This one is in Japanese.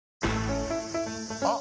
あ！